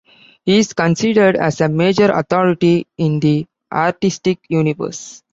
He is considered as a major authority in the artistic universe.